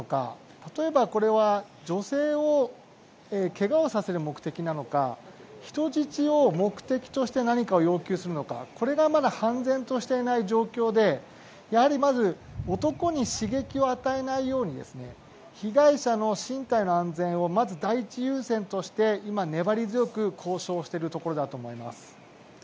例えば、これは女性をけがをさせる目的なのか人質を目的として何かを要求するのかこれがまだ判然としていない状況でやはり、まず男に刺激を与えないように被害者の身体の安全をまず、第一優先として今、粘り強く交渉しているところだと思います。